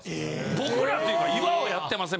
僕らっていうか岩尾やってません